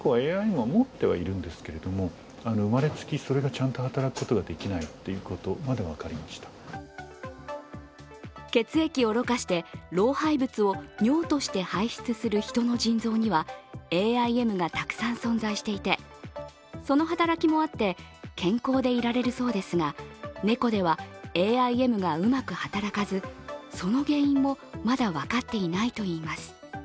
どんな力を秘めているのかというと血液をろ過して、老廃物を尿として排出する人の腎臓にはＡＩＭがたくさん存在していてその働きもあって健康でいられるそうですが猫ではＡＩＭがうまく働かず、その原因もまだ分かっていないといいます。